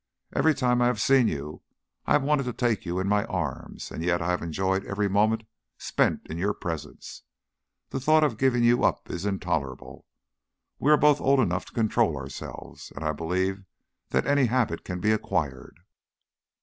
Every time I have seen you I have wanted to take you in my arms, and yet I have enjoyed every moment spent in your presence. The thought of giving you up is intolerable. We both are old enough to control ourselves. And I believe that any habit can be acquired."